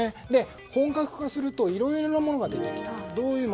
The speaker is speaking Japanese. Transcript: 本格化するといろいろなものが出てきた。